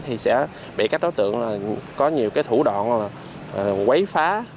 thì sẽ bị các đối tượng có nhiều cái thủ đoạn là quấy phá